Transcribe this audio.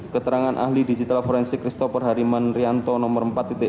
keterangan ahli digital forensik christopher hariman rianto nomor empat